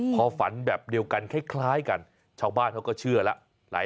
พอฝันแบบเดียวกันคล้ายกันชาวบ้านเขาก็เชื่อแล้ว